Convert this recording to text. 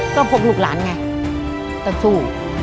ต้องพบลูกหลานไงต้องสู้